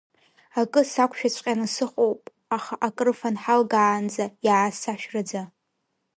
Акы сақәшәаҵәҟьаны сыҟоуп, аха акрыфан ҳалгаанӡа иаасашәраӡа.